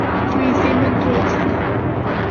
Dw i ddim yn dweud hynny.